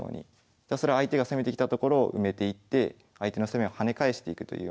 ひたすら相手が攻めてきたところを埋めていって相手の攻めを跳ね返していくというようなイメージ。